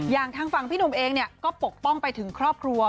อย่างทางฝั่งพี่หนุ่มเองก็ปกป้องไปถึงครอบครัว